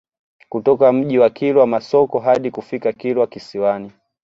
Kutoka Mji wa Kilwa Masoko hadi kufika Kilwa Kisiwani